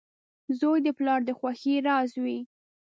• زوی د پلار د خوښۍ راز وي.